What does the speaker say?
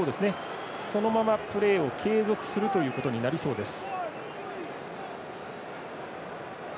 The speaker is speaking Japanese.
そのままプレーを継続するということになりそうです。